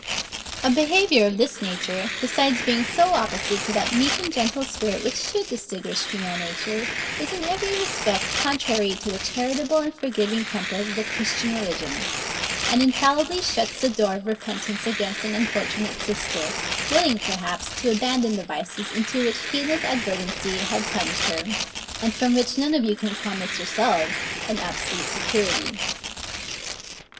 A behaviour of this nature, besides being so opposite to that meek and gentle spirit which should distinguish female nature, is in every respect contrary to the charitable and forgiving temper of the Christian religion, and infallibly shuts the door of repentance against an unfortunate sister, willing, perhaps, to abandon the vices into which heedless inadvertency had plunged her, and from which none of you can promise yourselves an absolute security.